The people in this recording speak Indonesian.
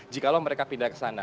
jikalau mereka pindah ke sana